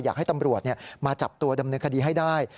อยากให้ตำรวจมาจับตัวดำเนินคดีให้ได้